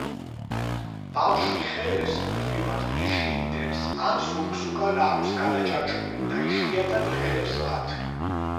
ბავშვი ხელებს მუდმივად პირში იდებს ან ზურგსუკან აქვს გადაჯაჭვული და იშვიათად იყენებს მათ.